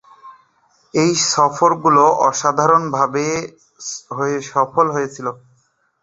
এই সফরগুলো "অসাধারণভাবে সফল" হয়েছিল।